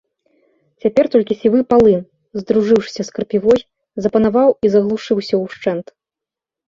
Цяпер толькі сівы палын, здружыўшыся з крапівой, запанаваў і заглушыў усё ўшчэнт.